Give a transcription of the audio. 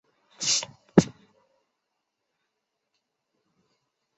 卡纳是位于美国加利福尼亚州比尤特县的一个非建制地区。